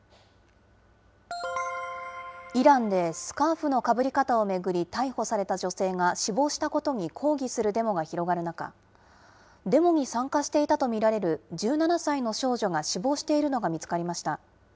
イランで、スカーフのかぶり方を巡り逮捕された女性が死亡したことに抗議するデモが広がる中、デモに参加していたと見られる１７歳の少女が死亡しているのが見つかりました。